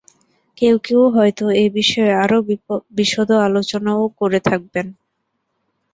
কেউ কেউ হয়তো এ-বিষয়ে আরও বিশদ আলোচনাও করে থাকবেন।